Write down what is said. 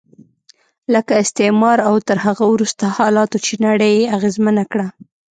لکه استعمار او تر هغه وروسته حالاتو چې نړۍ یې اغېزمنه کړه.